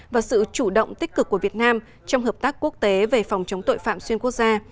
và sự chủ động tích cực của việt nam trong hợp tác quốc tế về phòng chống tội phạm xuyên quốc gia